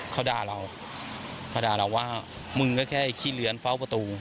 เขาด่าเราเขาด่าเราว่ามึงก็แค่ขี้เลื้อนเฝ้าประตู